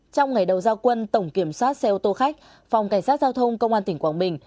trong ngày đầu giao quân tổng kiểm soát xe ô tô khách phòng cảnh sát giao thông công an tỉnh quảng bình